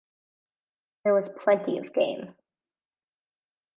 There was plenty of game.